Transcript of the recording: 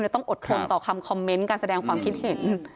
ต้องอดทนต่อคำคอมเมนต์การแสดงความคิดเห็น